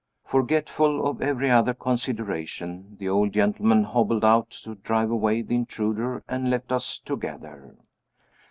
Forgetful of every other consideration, the old gentleman hobbled out to drive away the intruder, and left us together.